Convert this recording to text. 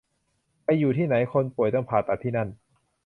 ไปอยู่ที่ไหน คนป่วยต้องผ่าตัดที่นั่น